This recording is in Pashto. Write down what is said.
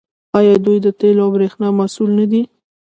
آیا دوی د تیلو او بریښنا مسوول نه دي؟